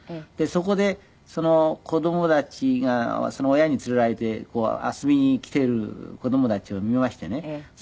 そこで子供たちが親に連れられて遊びに来てる子供たちを見ましてね。